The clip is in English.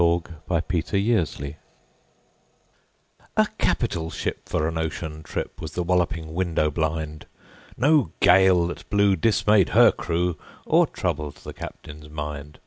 W X . Y Z A Nautical Ballad A CAPITAL ship for an ocean trip Was The Walloping Window blind No gale that blew dismayed her crew Or troubled the captain's mind.